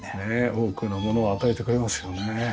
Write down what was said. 多くのものを与えてくれますよね。